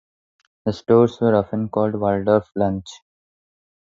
The stores were often called "Waldorf Lunch".